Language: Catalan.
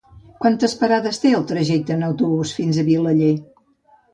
Quantes parades té el trajecte en autobús fins a Vilaller?